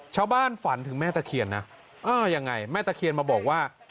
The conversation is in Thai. ชาวบ้านฝันถึงแม่ตะเคียนนะอ้าวยังไงแม่ตะเคียนมาบอกว่า